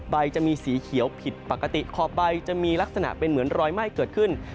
จะมีสีเขียวผิดปกติขอบใบจะมีลักษณะเป็นเหมือนรอยไหม้เกิดขึ้น